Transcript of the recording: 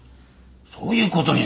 そういう事になる。